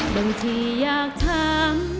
บางทีอยากทำ